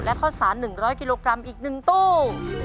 และข้าวสาร๑๐๐กิโลกรัมอีก๑ตู้